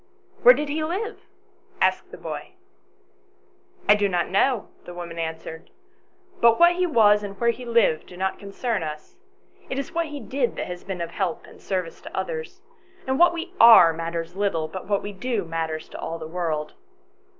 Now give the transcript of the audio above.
" Where did he live ?" asked the boy. " I do not know," the woman answered, " but what he was and where he lived do not concern us ; it is what he did that has been of help and service to others ; and what we are matters little, but what we do matters to all the world."